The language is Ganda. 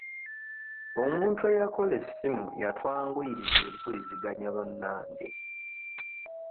Omuntu eyakola essimu yatwanguyiza empuliziganya bannange.